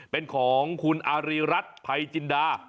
เป็นของคุณอาริรัตรไพรจินดา